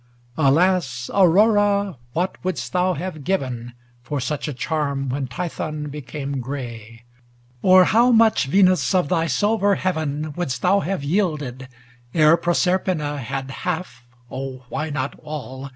LXVII Alas, Aurora ! what wouldst thou have given For such a charm, when Tithon became gray ? Or how much, Venus, of thy silver Heaven Wouldst thou have yielded, ere Proser pina Had half (oh ! why not all